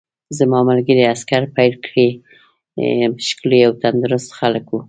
زما ملګري عسکر په پیل کې ښکلي او تندرست خلک وو